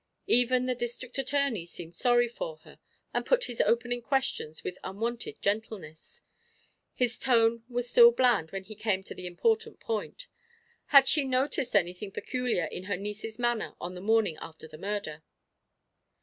Even the District Attorney seemed sorry for her and put his opening questions with unwonted gentleness. His tone was still bland when he came to the important point had she noticed anything peculiar in her niece's manner on the morning after the murder?